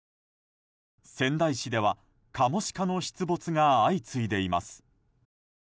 仙台市では、カモシカの出没が相次いでいます。